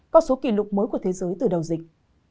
con số kỷ lục mới của thế giới từ đầu dịch